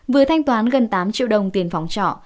vừa thanh toán gần tám triệu đồng tiền phòng trọ